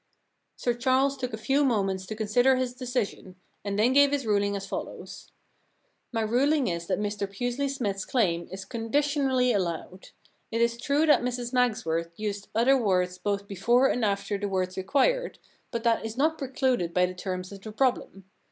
Sir Charles took a few moments to consider his decision, and then gave his ruling as follows :—* My ruling is that Mr Pusely Smythe's claim is conditionally allowed. It is true that Mrs Magsworth used other words both i8 The Giraffe Problem before and after the words required, but that is not precluded by the terms of the problem.